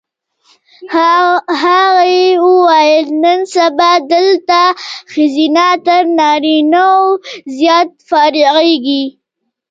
هغې وویل نن سبا دلته ښځینه تر نارینه و زیات فارغېږي.